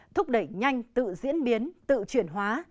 thúc đẩy nhanh tự diễn biến tự chuyển hóa